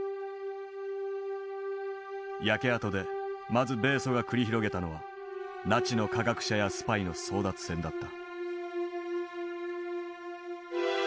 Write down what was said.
焼け跡でまず米ソが繰り広げたのはナチの科学者やスパイの争奪戦だった。